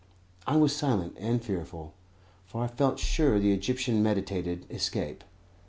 I was silent and fearful, for I felt sure the Egyptian meditated escape.